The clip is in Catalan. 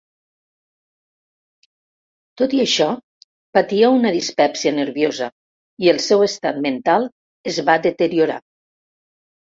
Tot i això, patia una "dispèpsia nerviosa" i el seu estat mental es va deteriorar.